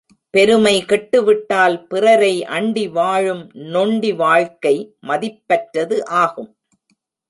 பெருமை கெட்டு விட்டால் பிறரை அண்டி வாழும் நொண்டி வாழ்க்கை மதிப்பற்றது ஆகும்.